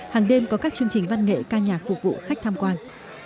hàng đêm có các chương trình văn nghệ ca nhạc phục vụ khách tham quan